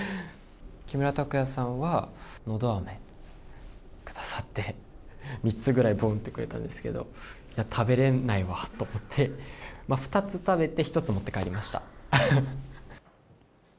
木村拓哉さんはのどあめくださって、３つぐらい、ぼんってくれたんですけど、いや、食べれないわと思って、２つ食べて１つ持って帰りました。